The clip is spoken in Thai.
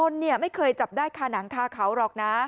นี่ปนก็ไม่เคยจับได้ขาหนังขาเขาหรอกนะ